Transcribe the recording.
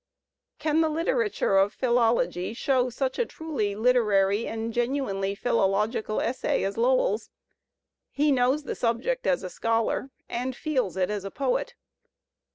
Can the Uterature of philology show such a truly literary and genuinely philological essay as Lowell's? He knows the subject as a scholar, and he feels it as a poet.